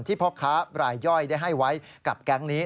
พ่อค้าบรายย่อยได้ให้ไว้กับแก๊งนี้